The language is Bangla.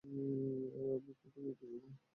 আমরা কি যাবো?